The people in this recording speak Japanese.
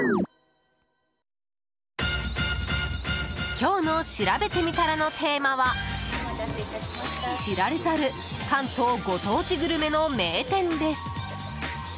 今日のしらべてみたらのテーマは知られざる関東ご当地グルメの名店です。